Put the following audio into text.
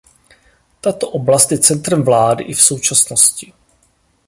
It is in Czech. Tato oblast je centrem vlády i v současnosti.